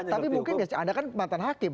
tapi mungkin biasanya anda kan mantan hakim